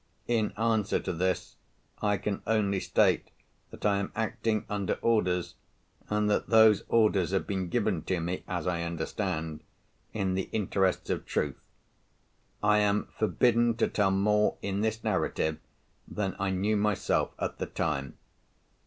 In answer to this, I can only state that I am acting under orders, and that those orders have been given to me (as I understand) in the interests of truth. I am forbidden to tell more in this narrative than I knew myself at the time.